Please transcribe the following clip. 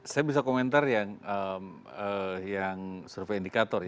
saya bisa komentar yang survei indikator